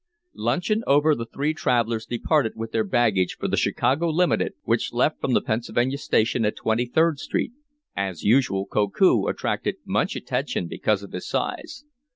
Luncheon over, the three travelers departed with their baggage for the Chicago Limited, which left from the Pennsylvania Station at Twenty third Street. As usual, Koku attracted much attention because of his size.